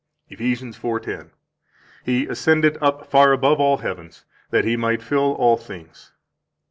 172 Eph. 4:10: He ascended up far above all heavens, that He might fill all things.